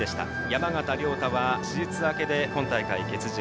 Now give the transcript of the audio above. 山縣亮太は、手術明けで今大会は欠場。